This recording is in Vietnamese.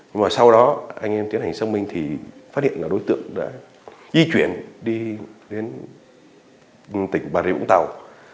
nhưng mà sau đó anh em tiến hành xác minh thì phát hiện là đối tượng đã di chuyển đi đến tỉnh bà rịa vũng tàu